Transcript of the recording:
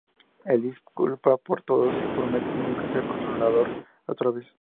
Él se disculpa con todos y promete nunca ser controlador otra vez.